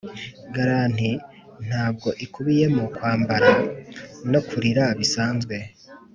garanti ntabwo ikubiyemo kwambara no kurira bisanzwe.